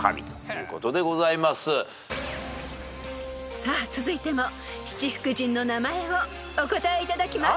［さあ続いても七福神の名前をお答えいただきます］